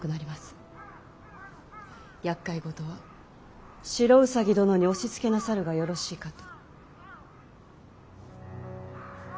やっかいごとは白兎殿に押しつけなさるがよろしいかと。